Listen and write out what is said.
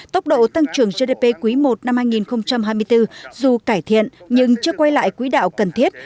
tốc độ tăng trưởng gdp quý i năm hai nghìn hai mươi bốn dù cải thiện nhưng chưa quay lại quý đạo cần thiết